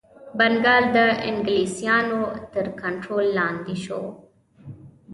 بنګال د انګلیسیانو تر کنټرول لاندي شو.